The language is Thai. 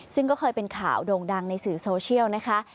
ซึ่งก็เคยเป็นข่าวโด่งดังในสื่อโซเชียลนะคะ